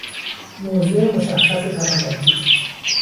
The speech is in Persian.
موضع مشخص طبقاتی